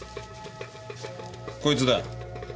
こいつだ。